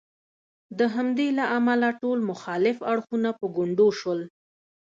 د همدې له امله ټول مخالف اړخونه په ګونډو شول.